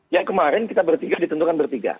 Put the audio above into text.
yang kemarin kita bertiga ditentukan bertiga